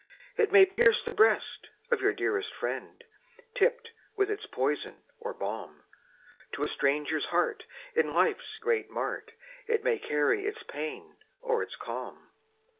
It may pierce the breast of your dearest friend, Tipped with its poison or balm; To a stranger's heart in life's great mart, It may carry its pain or its calm.